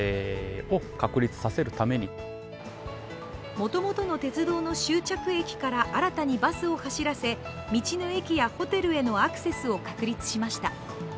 もともとの鉄道の終着駅から新たにバスを走らせ、道の駅やホテルへのアクセスを確立しました。